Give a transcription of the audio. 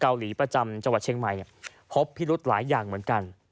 ประจำจังหวัดเชียงใหม่พบพิรุธหลายอย่างเหมือนกัน